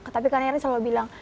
tapi kak nearnya selalu bilang